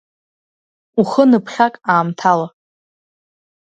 Ухы ныԥхьак аамҭала.